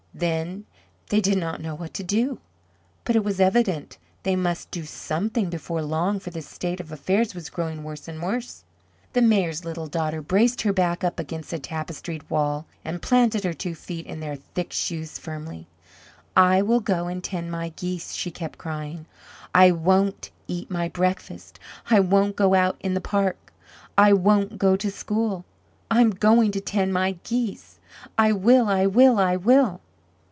Then they did not know what to do. But it was evident that they must do something before long for the state of affairs was growing worse and worse. The Mayor's little daughter braced her back up against the tapestried wall, and planted her two feet in their thick shoes firmly. "I will go and tend my geese," she kept crying. "I won't eat my breakfast. I won't go out in the park. I won't go to school. I'm going to tend my geese I will, I will, I will!"